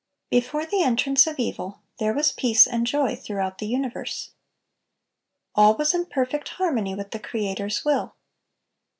Before the entrance of evil, there was peace and joy throughout the universe. All was in perfect harmony with the Creator's will.